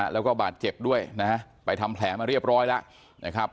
แล้วก็บาดเจ็บด้วยนะฮะไปทำแผลมาเรียบร้อยแล้วนะครับ